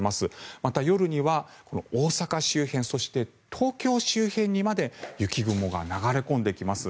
また夜には大阪周辺そして、東京周辺にまで雪雲が流れ込んできます。